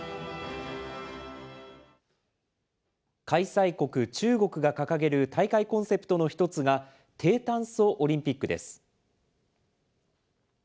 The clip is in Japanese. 開催国、中国が掲げる大会コンセプトの１つが、低炭素オリンピックです。